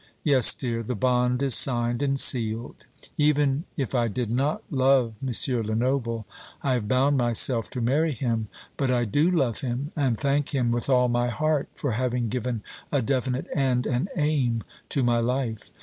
Yes, dear, the bond is signed and sealed. Even if I did not love M. Lenoble, I have bound myself to marry him; but I do love him, and thank him with all my heart for having given a definite end and aim to my life.